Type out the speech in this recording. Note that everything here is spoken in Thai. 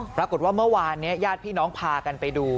ปรากฏว่าเมื่อวานนี้ญาติพี่น้องพากันไปดู